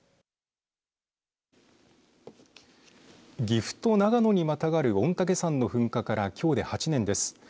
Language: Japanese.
岐阜と長野にまたがる御嶽山の噴火からきょうで８年です。